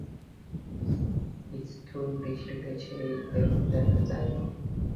স্থুল দৃষ্টিতে সেই দেহ দেখা যায় না।